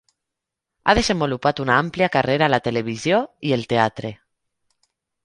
Ha desenvolupat una àmplia carrera a la televisió i el teatre.